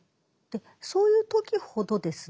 そういう時ほどですね